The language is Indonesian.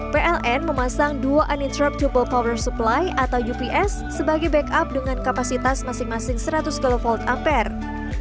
pln memasang dua uninterruptible power supply atau ups sebagai backup dengan kapasitas masing masing seratus kv ampere